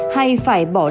hay phải bỏ ra